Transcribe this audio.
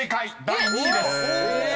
第２位です］